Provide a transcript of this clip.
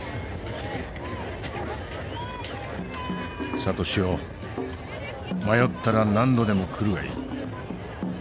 「サトシよ迷ったら何度でも来るがいい。